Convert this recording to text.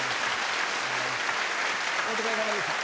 お疲れさまでした。